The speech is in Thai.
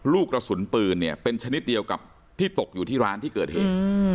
ลูกกระสุนปืนเนี่ยเป็นชนิดเดียวกับที่ตกอยู่ที่ร้านที่เกิดเหตุ